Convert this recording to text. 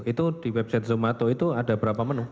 itu di website zomato itu ada berapa menu